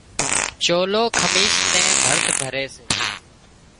چولو، کميس نين ڀرت ڀري سي